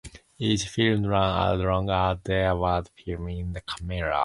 Each film ran as long as there was film in the camera.